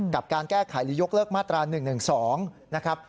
กับการแก้ไขหรือยกเลิกมาตรา๑๑๒นะครับ